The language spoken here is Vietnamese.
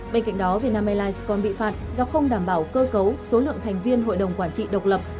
bên cạnh đó vietnam airlines còn bị phạt do không đảm bảo cơ cấu số lượng thành viên hội đồng quản trị độc lập